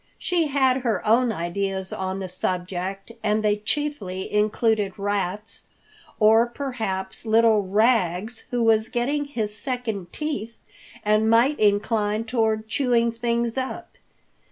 She had her own ideas on the subject and they chiefly included rats, or perhaps little Rags who was getting his second teeth and might incline toward chewing things up.